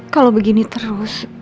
kalo begini terus